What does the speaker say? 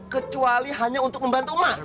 kecuali hanya untuk membantu ma